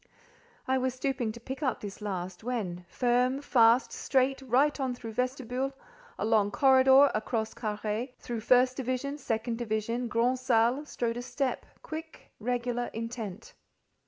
I was stooping to pick up this last, when—firm, fast, straight—right on through vestibule—along corridor, across carré, through first division, second division, grand salle—strode a step, quick, regular, intent.